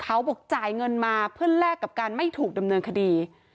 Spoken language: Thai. เขาบอกจ่ายเงินมาเพื่อแลกกับการไม่ถูกดำเนินคดี